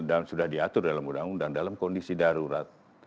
sudah diatur dalam undang undang dalam kondisi darurat